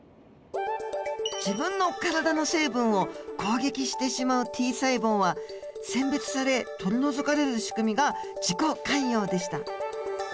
自分の体の成分を攻撃してしまうＴ細胞は選別され取り除かれるしくみが自己寛容でした。